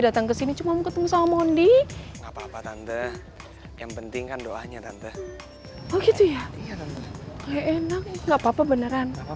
datang ke sini cuman ketemu sama mondi ngapa ngapa tante yang penting kan doanya tante begitu ya kayak anyway nggak papa beneran yang